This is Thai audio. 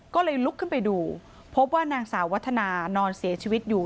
ก็เลยลุกขึ้นไปดูพบว่านางสาววัฒนานอนเสียชีวิตอยู่